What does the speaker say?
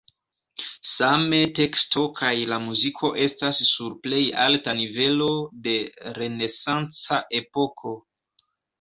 Same teksto kaj la muziko estas sur plej alta nivelo de renesanca epoko.